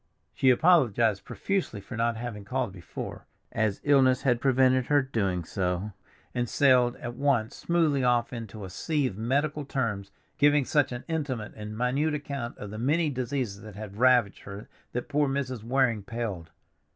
She apologized profusely for not having called before, as illness had prevented her doing so, and sailed at once smoothly off into a sea of medical terms, giving such an intimate and minute account of the many diseases that had ravaged her that poor Mrs. Waring paled.